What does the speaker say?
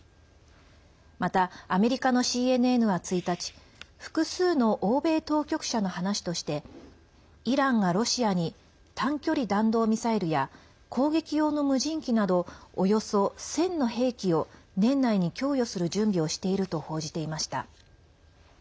また、アメリカのＣＮＮは１日複数の欧米当局者の話としてイランがロシアに短距離弾道ミサイルや攻撃用の無人機などおよそ１０００の兵器を年内に供与する準備をしていると報じていました。